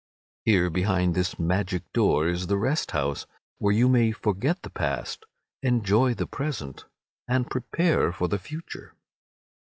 Here behind this magic door is the rest house, where you may forget the past, enjoy the present, and prepare for the future.